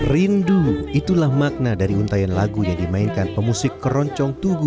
rindu itulah makna dari untayan lagu yang dimainkan pemusik keroncong tugu